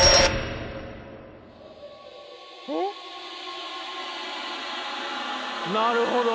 えっ⁉なるほど。